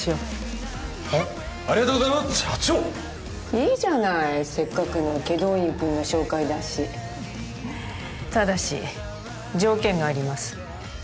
いいじゃないせっかくの祁答院君の紹介だしただし条件があります